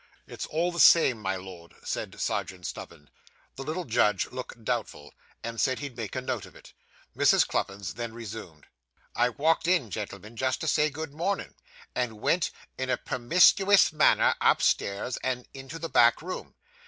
'It's all the same, my Lord,' said Serjeant Snubbin. The little judge looked doubtful, and said he'd make a note of it. Mrs. Cluppins then resumed 'I walked in, gentlemen, just to say good mornin', and went, in a permiscuous manner, upstairs, and into the back room.